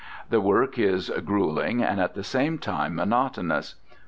The work is gruelling and at the same time monotonous.